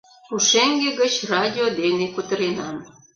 Пушеҥге гыч радио дене кутыренам».